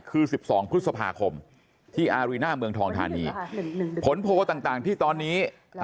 คือ๑๒พฤษภาคมที่อารีน่าเมืองทองทานีผลโพลต่างที่ตอนนี้